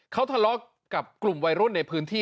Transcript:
เขาทะเลาะกับกลุ่มวัยรุ่นในพื้นที่